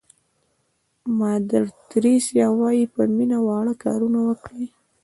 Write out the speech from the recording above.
مادر تریسیا وایي په مینه واړه کارونه وکړئ.